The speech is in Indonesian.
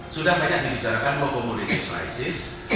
sudah banyak dibicarakan low commodity prices